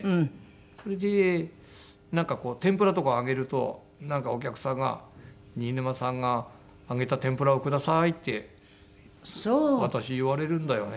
それで天ぷらとか揚げるとなんかお客さんが「“新沼さんが揚げた天ぷらをください”って私言われるんだよね」とかっつって喜んでました。